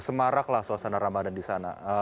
semarak lah suasana ramadhan di sana